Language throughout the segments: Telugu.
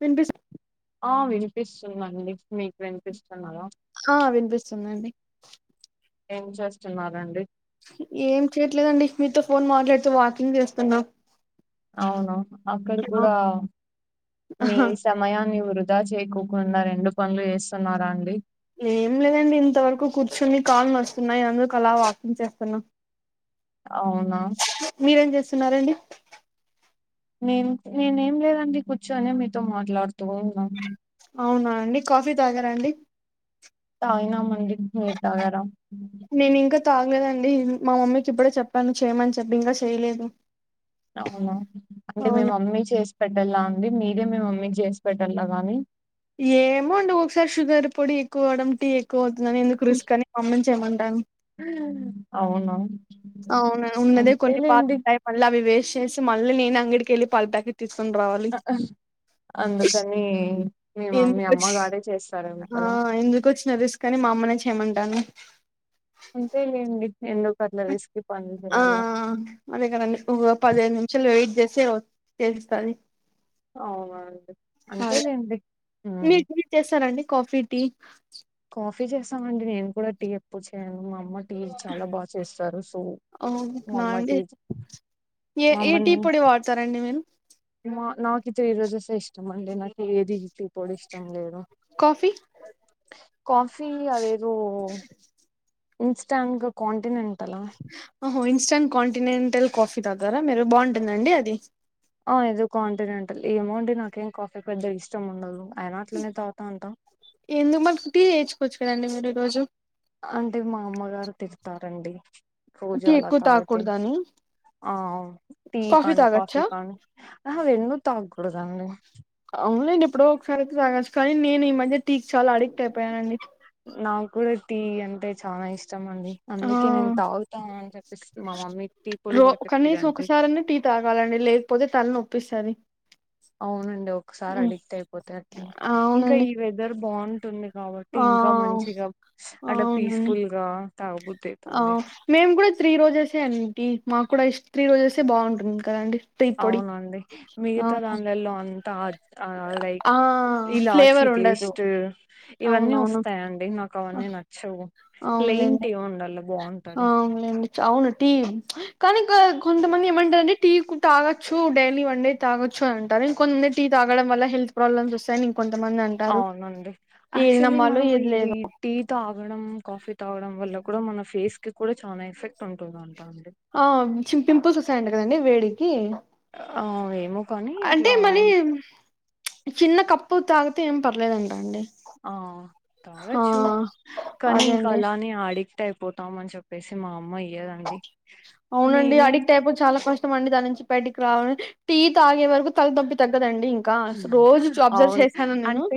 విన్పిస్ ఆ వినిపిస్తుందండి మీకు వినిపిస్తున్నదా ఆ వినిపిస్తుందండి ఏం చేస్తున్నారండి ఏం చేయట్లేదండి మీతో ఫోన్ మాట్లాడుతూ వాకింగ్ చేస్తున్నా అవును అక్కడ కూడా ఆహా [unintelligible] సమయాన్ని వృధా చేయకోకుండా రెండు పనులు చేస్తున్నారా అండి ఏం లేదండి ఇంతవరకు కూర్చుని కాలు నొస్తున్నాయి అందుకు అలా వాకింగ్ చేస్తున్నా అవునా మీరేం చేస్తున్నారండి నేను నేనేం లేదండి కూర్చొనే మీతో మాట్లాడుతూ ఉన్నాను అవునా అండి కాఫీ తాగరా అండి తాగినామండి మీర్ తాగారా నేను ఇంకా తాగలేదండి మా మమ్మీకి ఇప్పుడే చెప్పాను చేయమని చెప్పి ఇంకా చేయలేదు అవునా అంటే అవునా మీమమ్మీ చేసి పెట్టలా అండి మీరే మే మమ్మీ క్ చేసి పెట్టలా గాని ఏమో అండి ఒకొకసారి షుగర్ పొడి ఎక్కువడం టీ ఎక్కువ అవుతుందని ఎందుక్ ర స్క్ అని మమ్మిన్ చేయమంటాను మ్ అవున అవునా ఉన్నదే కొన్ని పాలుంటాయి మళ్ళీ అవి వేస్ట్ చేసి మళ్ళీ నేను అంగడికి వెళ్ళి పాల ప్యాకెట్ తీసుకొని రావాలి అందుకని మీ మమ్మీ ఎందుకు వచ్ అమ్మగారే చేస్తారేమో ఆ కదా ఎందుకు వచ్చన రిస్క్ కనీ మా అమ్మనే చేయమంటాను అంతేలేండి ఎందుకట్ల రిస్క్కి పనులు ఆ చేయాల అదే కదండి ఒక పదిహేదు నిమిషాలు వెయిట్ చేస్తే చేస్తది అవునా అండి అంతేలేండి ఉమ్ మీట్ మీట్ చేస్తారా అండి కాఫీ టీ కాఫీ చేస్తామండి నేను కూడా టీ ఎప్పుడు చేయను మా అమ్మ టీ చాలా బా చేస్తారు సో అవునా అండి మామ్మటి ఏ ఏ టీపొడి వాడతారండి మీరు మా నాకు త్రీ రోజెస్ ఏ ఇష్టం అండి నాకు ఏది టీపొడి ఇష్టం లేదు కాఫీ కాఫీ అదేదో ఇన్స్టాంట్గా కాంటినెంటలా ఓహో ఇన్స్టంట్ కాంటినెంటల్ కాఫీ తాగుతారా మీరు బావుంటుందండి అది ఆ ఏదో కాంటినెంటల్ ఏమోండీ నాకేం కాఫీ పెద్ద ఇష్టం ఉండదు అయిన అట్లనే తాగుతా ఉంటాం. ఎందుకు మరి టీ నేర్చుచుకోవచ్చు కదండి మీరు ఈ రోజు అంటే మా అమ్మగారు తిడతారండి రోజు టీ అలా ఎక్కువ తాగితే తాగకూడదని ఆ టీ కానీ కాఫీ కానీ ఆహా రెండు తాగ్ కూడదండి అవునండి ఎప్పుడో ఒకసారితే తాగోచ్చు కానీ నేను ఈ మధ్య టీ కి చాలా అడిక్ట్ అయిపోయానండి. నాక్ కూడా టీ అంటే చానా ఇష్ ఇష్టమండి అందుకే ఆ నేను తాగుతా అని చెప్పేసి మా మమ్మీ టీ పొడి రో కూడా కనీసం తేప్పిదండి ఒకసారన్న టీ తాగాలండి లేకపోతే తల నొప్పిస్తది అవునండి ఒకసారి అడిక్ట్ అయిపోతే అట్లే ఇంకా అవునండి ఈ వెదర్ బావుంటుంది కాబట్టి ఆ ఇంకా మంచిగా అట్లా అవునండి పీస్ఫుల్ గా తాగబుద్ధి ఆ అయితాంది. మేము కూడా త్రీ రోజెసే అండి మాకు కూడా ఈ త్రీ రోజెస్యే బాగుంటుంది కదండి టీ పొడి అవునండి ఆ మిగతా దానిలల్లో అంతా ఆ ఆ లైక్ ఆ ఫ్లేవర్ ఇలాచి ఉండదు టెస్టు ఇవన్నీ అవునవును వస్తాయండి నాకవన్నీ నచ్చవు ప్లెయిన్ టీ ఉండాల్ల బావుంటది. అవునండి చాలా టీ కానీ ఇక కొంతమంది ఏమంటారంటే టీ తాగొచ్చు డైలీ వన్ డే తాగొచ్చు అని అంటారు ఇంకొంత్ టీ తాగడం వల్ల హెల్త్ ప్రాబ్లమ్స్ వస్తాయనీ ఇంకొంతమంది అన్ అవునండి యాక్చువలీ మనం ఏది లేదో ఇవి ఈ టీ తాగడం కాఫీ తాగడం వల్ల కూడా మన ఫేస్ కి కూడా చానా ఎఫెక్ట్ ఉంటుందం అంటండి ఆ చి పింపుల్స్ వస్తాయంట కదండి వేడికి ఆ ఏమో కానీ అంటే అట్లా మరి చిన్న కప్పు తాగితే ఏం పర్లేదంటండి ఆ తాగచ్చు కానీ అదే ఇంకా అండి అలానే అడిక్ట్ అయిపో పోతామని చెప్పేసి మా అమ్మ ఇయ్యదండి అవునండి నేనే అడిక్ట్ అయిపోతే చాలా కష్ కష్టమండి దాని నుంచి బయటికి రావాలని టీ తాగే వరకు తల నోప్పి తగ్గదండి కాస్ రోజోచ్చి అబ్జర్వ్ అవును చేసానా నిన్ను అంటే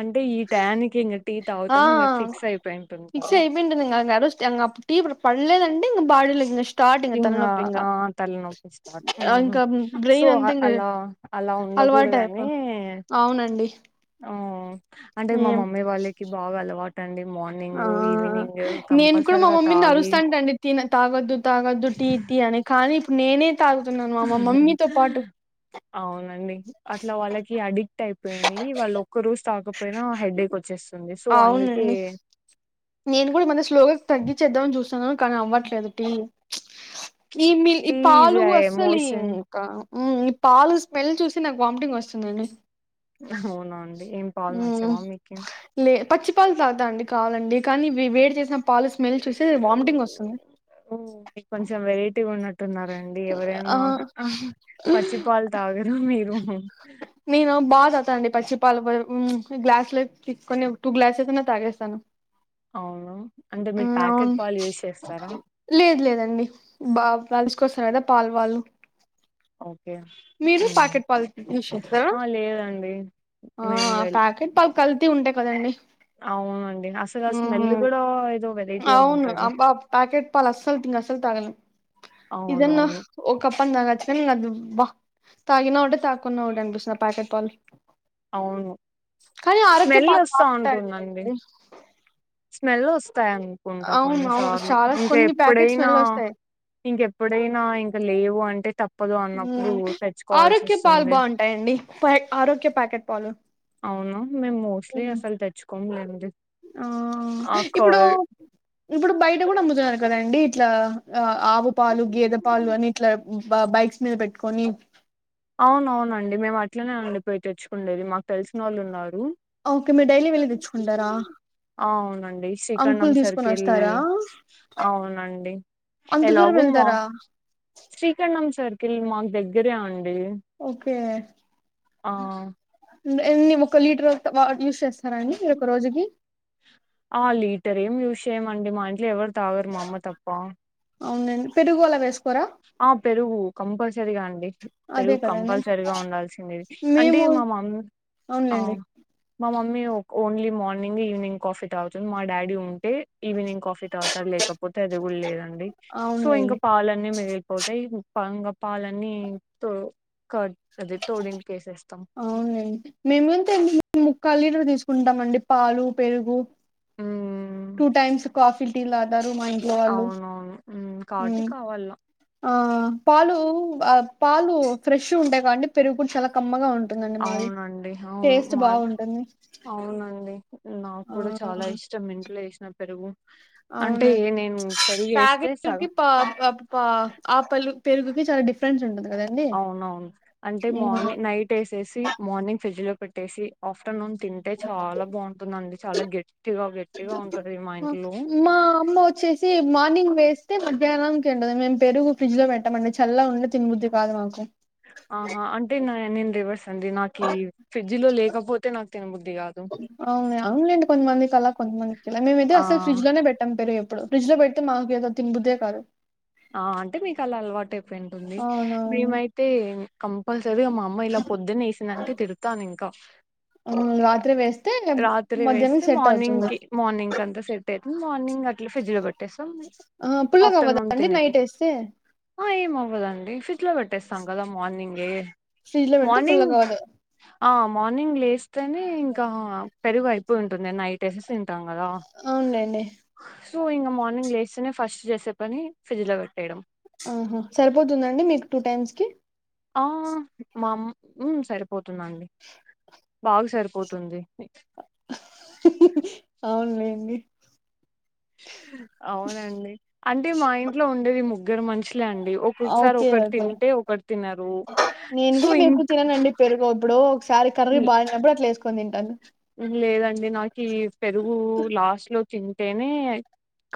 అంటే ఈ టయానికి ఇంగ టీ ఆ తాగుతాం ఇంగ ఫిక్స్ అయిపోయింటుంది ఫిక్స్ కదా అయిపోయింటాది ఇంగ ఆ రోజ్ అప్ టీ పడలేదండి ఇంగ బాడీలో ఇంజస్ ఇంగ ఆ తలనొప్పి స్టార్ట్ ఆ! ఇంకా సో బ్రెయిన్ అంతా ఇంగ అలా అలా అలవాటు ఉండకూడదనీ అయిపో అవునండి ఆ అంటే మా ఏం మమ్మీ వాళ్ళకి బాగా అలవాట్ ట్టండి ఆ మార్నింగ్ ఈవినింగ్ కంపల్సరిగా తాగి టీ తాగద్దు తాగద్దు టీ టీ అని కానీ ఇప్పుడు నేనే తాగుతున్నాను మా మమ్మీతో పాటు అవునండి అట్లా వాళ్ళకి అడిక్ట్ అయిపోనయి వాళ్ళు ఒక్క రోజు తాగపోయినా హెడేక్ వచ్చేస్తుంది సో అందుకే అవునండి నేను కూడా ఆ మధ్య స్లోగా తగ్గిించేద్దామని చూస్తున్నా, కానీ అవ్వట్లేదు టీ,. ఈ మిల్ ఈ టీ ఈజ్ పాలు ఎ అస్సలు ఇ ఎమోషన్ క ఉమ్ ఈ పాలు స్మెల్ చూసి నాకు వామిటింగ్ వస్తుందండి. అవున అండి ఏం పాలు మ్మ్ నచ్చవా మీకే? లే పచ్చి పాలు తాత అండి కావలండి, కానీ వే వేడి చేసిన పాలు స్మెల్ చూసి వామిటింగ్ వస్తుంది. కొంచెం వెరైటీగా ఉన్నట్టున్నారండి ఆ ఎవరయినా పచ్చిపాల్ తాగరు మీరు నేను బా తాగుత అండి పచ్చి పాలు, ఉమ్ గ్లాస్ల ఎస్ తీసుకుని టూ గ్లాసెస్ అయినా తాగేస్తాను. అవున అంటే మీరు అవును ప్యాకెట్ పాలు యూజ్ చేస్తారా? లేదు లేదండి బా కలిసుకొస్తరు కదా పాల్ వాళ్ళు. ఓకే మీరు హ్మ్. ప్యాకెట్ పాల్ యూస్ చేస్తారా? ఆ! లేదండి. ఆ మేము వెళ్ ప్యాకెట్ పాల్ కల్తీ ఉంటాయి కదండి. అవునండి అసలు ఆ స్మెల్ కూడా ఏదో వెరైటీగ అవును ఉంటది. అబ్బా ప్యాకెట్ పాల్ అస్సలు తిన అసలు తాగాను ఇదన్న అవునవును. ఒక కప్పన్ తాగొచ్చు గాన్, అది బా తాగినా ఒకటే తాగకున్నా ఒకటి అనిపిస్తది ఆ ప్యాకెట్ పాల్. అవును. కానీ ఆరోక్య స్మెల్ పాలు ఒస్తా బాగుంటయంట ఉంటుందండి. స్మెల్ వస్తాయి అనుకుంటా అవును అవును కొన్నిసార్లు, చాలా ఇంక కొన్ని ప్యాకెట్ ఎప్పుడైనా స్మెల్ వస్తాయి ఇంకెప్పుడైనా ఇంక లేవు అంటే తప్పదు అన్నప్పుడు తెచ్చుకోవాల్సి వస్తుంది. వుంటయండి పొయ్ ఆరోక్య ప్యాకెట్ పాలు అవునా, మేము మోస్ట్లీ అసల్ తెచ్చుకోము లెండి ఆ ఆ ఇప్పుడు కర్ ఇప్పుడు బయట కూడా అమ్ముతున్నారు కదండి, ఇట్లా ఆ ఆవు పాలు గేదె పాలు అని ఇట్లా బ బైక్స్ మీద పెట్టుకొని అవునవునండి. మేం అట్లనే అండి పోయి తెచ్చుకుండేది మాకు తెలిసినొళ్ళు ఉన్నారు. ఓకే మీరు డైలీ వెళ్ళి తెచ్చుకుంటారా? అవునండి శ్రీఖండం అంకుల్ తీసుకొని సర్కిల్ వస్తారా అవునండి. అంత దూరం ఎలాగో మా వెళ్తారా? శ్రీఖండం సర్కిల్ మాకు దగ్గరే అండి. ఓకే ఆ న్ ఎన్ని ఒక లీట్రు వ యూస్ చేస్ సరండి మీరొక రోజుకి ఆ లీటర్ ఏం యూజ్ చేయ్యమండి, మా ఇంట్లో ఎవరు తాగరు మా అమ్మ తప్ప. అవున్లెండి పెరుగు అలా వేసుకోరా? ఆ పెరుగు కంపల్సరిగా అండి. అదే పెరుగు కదండి కంపల్సరిగా ఉండాల్సిందే. అంటే మేము మా మమ్ ఆ అవునులేండి మా మమ్మీ ఒక్ ఓన్లీ మార్నింగ్ ఈవినింగ్ కాఫీ తాగుతుంది, మా డాడీ ఉంటే ఈవినింగ్ కాఫీ తాగుతారు లేక్ లేకపోతే అది కూడ్ లేదండి. సో అవునులేండి ఇంకా పాలన్నీ మీ వెల్పోతయి గ్ పంగ పాలన్నీ తో కట్ అది తోడింగ్కి వేసేస్తాం. అవున్లెండి, మేమెంతండి మేం ముక్కాల్ లీటర్ తీసుకుంటామండి పాలు పెరుగు ఉమ్, టూ టైమ్స్ కాఫీలు టీ లు తాతారు మా ఇ అవునవును ఉ కాబట్టి కావాల ఆ పాలు ఆ పాలు ఫ్రెష్ ఉంటాయి కదండి, పెరుగు కూడా చాలా కమ్మగా ఉ అవునండి అవును మాద్ బాగుంటుంది అవునండి నాక్ ఆ కూడా చాలా ఇష్టం ఇంట్లో ఏసిన పెరుగు అంటే అవునండి నేను పెరుగు తాగి వేస్తే సగం [unintelligible] పా ఆ పాలు పెరుగుకి చాలా డిఫరెన్స్ ఉంటది కదండి అవునవును అంటే మార్నింగ్ నైట్ ఏసేసి మార్నింగ్ ఫ్రిడ్జ్ లో పెట్ ట్టేసి ఆఫ్టర్నూన్ తింటే చాలా బాగుంటుందండి చాలా గట్టిగా గట్ మా అమ్మ వొచ్చెస్ సి మార్నింగ్ వేస్తే మధ్యాహ్నాంకి ఉండది మేము పెరుగు ఫ్రిజ్ లో పెట్టమండి చల్లగుంటే తినబుద్ధి కాదు మాకు ఆహా అంటే నా నేను రేవర్సి అండి నాకి ఫ్రిడ్జ్ లో లేకపోతే నాకు తినబుద్ధి కాదు అవునా అవునలేండి కొంతమందికి అలా కొంతమందికి ఇలా మేమైయితే ఆ అసలు ఫ్రిజ్ లోనే పెట్టం పెరుగెప్ ఫ్రిజ్ లో పెడితే మాకేదో తినబుద్దే కాదు ఆ అంటే మీకు అలా అలవాటైపొయుంటుంది అవునవును మేమైత్ తే కంపల్సరీగా మా అమ్మ ఇలా పొద్దునే ఏసిందంటే తిడతాను ఇంకా ఊమ్ రాత్రి వేస్తే రాత్రి వేస్తే మద్యానానికి సెట్ మార్నింగ్ అవుతుంది కి మార్నింగ్ కంత సెట్ అయితుంది మార్నింగ్ అట్లా ఫ్రిడ్జ్ లో పెట్టేస్తాం ఆఫ్టర్నూన్ తినేకి ఎటెస్సే ఆ ఏమవ్వదండి ఫ్రిడ్జ్ లో పెట్టేస్తాం కదా మార్నింగే ఫ్రిడ్జ్ లో పెడితే మార్నింగ్ పుల్లగా అవ్వదు ఆ మార్నింగ్ లేస్తేనే ఇంకా పెరుగు అయిపోయుంటుంది నైట్ ఏసేసింటం కదా అవున్లెండి సో ఇంగ మార్నింగ్ లేస్తేనే ఫస్ట్ చేసే పని ఫ్రిడ్జ్ లో పెట్టేయడం ఊహు సరిపోతుందండి మీకు టూ టైమ్స్ కి ఆ మామ్ ఊ సరిపోతుందండి బాగా సరిపోతుంది అవునులేండి అవునండి అంటే మా ఇంట్లో ఉండేది ముగ్గరు మనుషులే అండి ఒక్ క్కొక్కసారి ఓకే ఒకరు ఓకే తింటే ఒకరు తినరు సో ఇంక్ పెరుగెప్పుడో ఒకసారి కర్రీ బాలేనప్పుడు అట్లా ఏసుకొని తింటాను లేదండి నాకి ఈ పెరుగు లాస్ట్ లో తింటేనే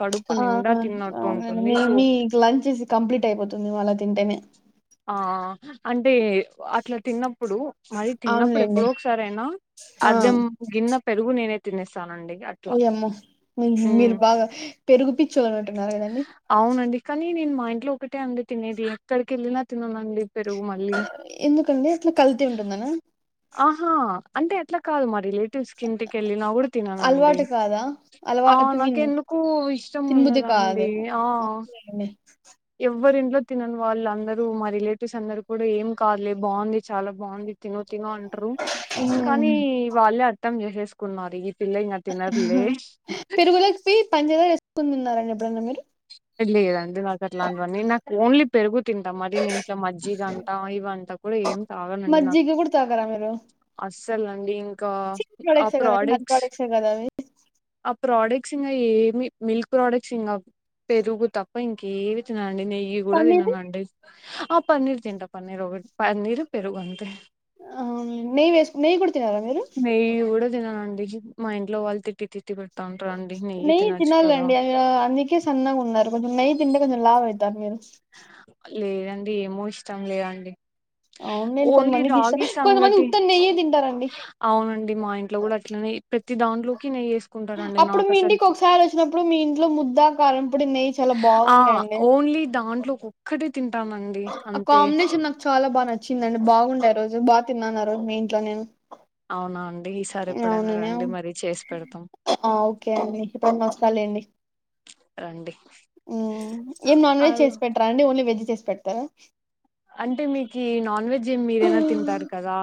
కడుపు ఆ నిండా తిన్నట్టు అవునండి ఉంటుంది మీ సో మీక్ లంచ్ ఇస్ కంప్లీట్ అయిపోతుందేమో అలా తింటేనే ఆ అంటే అట్లా తిన్నప్పుడు మరి తిన్నప్పుడు అవునులేండి ఎప్పుడో ఒకసారయినా ఆ అర్ధం గిన్నె పెరుగు నేనే తినిస్తానండి అట్ ఓయమ్మో మీ మీరు బాగా పెరుగుపిచ్చోర్ ఉన్నట్టు ఉన్నారు కదండి అవునండి కానీ నేను మా ఇంట్లో ఒకటే అండి తినేది ఎక్కడికి ఎళ్ళినా తిననండి పెరుగు మళ్ళీ ఎందుకండి అట్లా కల్తీ ఉంటుందనా ఆహా అంటే అట్లా కాదు మా రిలేటివ్స్ కి ఇంటికెళ్ళినా కూడా తిననండి అలవాటు కాదా అలవా ఆ ఐ మీన్ నాకెందుకో ఇష్టం ఉండదండి ఆ ఎన్ని ఎవ్వరి ఇంట్లో తినన్ వాళ్ళ అందరూ మా రిలేటివ్స్ అందరూ కూడా ఏం కాదులే బావుంది చాలా బావుంది తిను తిను అంట్రు హ్మ్ కానీ వాళ్ళే అర్థం జేసేసుకున్నారు ఇద్ పిల్ల ఇంగ తినద్ లే పంచదారేసుకొని తిన్నారండి ఎప్పుడన్నా మీరు లేదండి నాకట్లాంటివన్నీ నాకు ఓన్లీ పెరుగు తింటా మరి నేను ఇట్లా మజ్జి గంటా ఇవంటా కూడా ఏం తాగనండి నా జ్జిగ గూడా తాగరా మీరు అస్సలు అండి ఇంకా ఆ ప్రోడక్ట్స్ చెగదావి ఆ ప్రాడక్ట్స్ ఇంగా ఏమి మిల్క్ ప్రాడక్ట్స్ ఇంగ పెరుగు తప్ప ఇంకేమి తిననండి నెయ్యి నెయ్యి కూడా పన్నీరు తిననండి ఆ పన్నీర్ తింటా పన్నీర్ ఒక పన్నీర్ పెరుగు అంతె ఆ నెయ్ వేస్ నెయి కూడా తినరా మీ నెయ్యి కూడా తిననండి మా ఇంట్లో వాళ్ళు తిట్టి తిట్టి పెట్ తంటరండి నెయ్యి తినచ్చు కదా యా అందుకే సన్నగా ఉన్నారు కొంచెం నెయ్యి తింటే కొంచెం లావు అయితారు మీరు లేదండి ఏమో ఇష్టం లేదండి అవులేండి ఓన్లీ కొంతమందికి ఇష్ రాగి కొంతమంది సంగటి ఉత్త నెయ్యే తింటారండి అవునండి మా ఇంట్లో కూడా అట్లనే ప్రతి దాంట్లోకి నెయ్యి ఎస్ అప్పుడు మీ ఇంటికి ఒకసారి వచ్చినప్పుడు మీ ఇంట్లో ముద్దా కారం ఇప్పుడు నెయ్ ఆ ఓన్లీ దాంట్లో ఒక్కటే తింటానం ఆ కాంబినేషన్ నాకు చాలా బా నచ్చిందండి బాగుండే ఆ రోజు బాగా తిన్నాను ఆ రోజు మీ ఇంట్లో నేను అవునా అండి ఈసారి ఎప్పుడైనా అవుననే రండి మరీ చేసి పెడతాం ఆ ఓకే అండి ఇప్పుడైనా వస్తాలేండి రండి హ్మ్ ఏం నాన్ వెజ్ అల్- చేసి పెట్టారా అండి ఓన్లీ వెజ్ చేసి పెడతారా అంటే మీకి నాన్ వెజ్ ది మీరైనా తింటారు కదా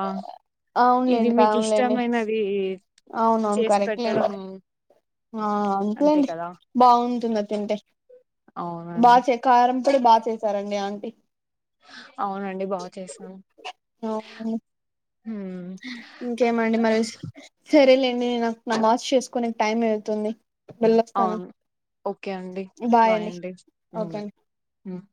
ఇది మీకు ఇష్టమైనది అవునువును చేసి కరెక్ట్ లేండి పెట్టడం ఆ అంతే [unintelligible] కదా బాగుంటుంది ఆది తింటే బా అవునండి చే ఎ కారం కూడా బా చేశారండి ఆంటీ అవునండి బాచేసాన్ అవును ఇంకేమండి మరి సరేలేండి నాకు నమాజ్ చేసుకోనే టైం అయితుంది అవున్ ఓకే అండి బాయ్ అండి హ్మ్ ఓకే అండి బాయ్ హ్మ్